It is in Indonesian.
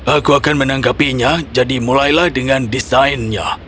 aku akan menanggapinya jadi mulailah dengan desainnya